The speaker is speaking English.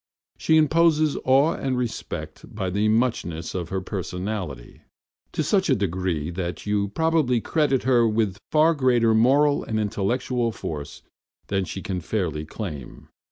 She imposes awe and respect by the muchness of her personality, to such a degree that you probably credit her with far greater moral and intellectual force than she can fairly claim.